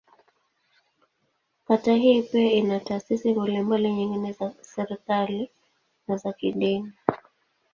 Kata hii pia ina taasisi mbalimbali nyingine za serikali, na za kidini.